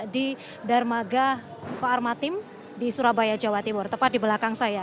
di dermaga komando armada timur di surabaya jawa timur tepat di belakang saya